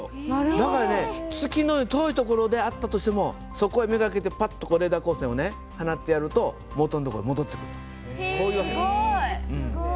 だからね月のように遠い所であったとしてもそこへ目がけてパッとレーザー光線を放ってやると元のところに戻ってくると。こういう訳です。